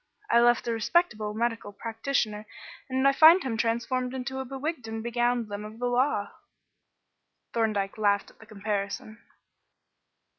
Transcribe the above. I left a respectable medical practitioner and I find him transformed into a bewigged and begowned limb of the law." Thorndyke laughed at the comparison.